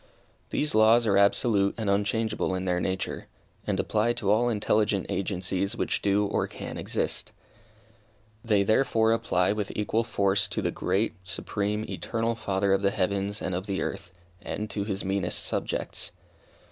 These laws are absolute and unchangeable in their nature, and apply to all intelligent agencies which do or can exist. They, therefore, apply with equal force to the great, supreme, eternal Father of the heavens and of the earth, and to His meanest subjects.